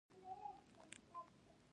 څو دردونه دي چې هېڅ مې نه هېریږي